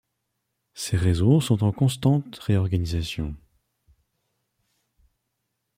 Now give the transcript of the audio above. Ces réseaux sont en constante réorganisation.